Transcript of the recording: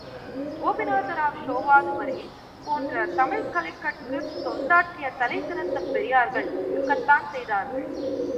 கோபிநாதராவ் ஷோவோதுபரே, போன்ற தமிழ்க் கலைகட்கு தொண்டாற்றிய தலைசிறந்த பெரியார்கள் இருக்கத்தான் செய்தார்கள்.